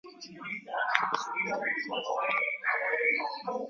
ni mzee shaa msikilizaji akiwa dar es salam tanzania mzee mstaafu huyu